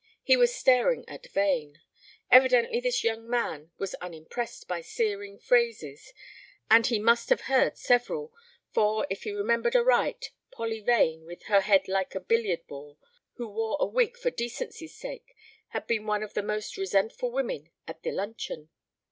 He was staring at Vane. Evidently this young man was unimpressed by searing phrases and he must have heard several, for, if he remembered aright, "Polly Vane" with "her head like a billiard ball," who "wore a wig for decency's sake," had been one of the most resentful women at the luncheon.